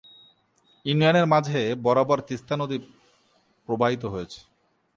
ইউনিয়নের মাঝ বরাবর তিস্তা নদী প্রবাহিত হয়েছে।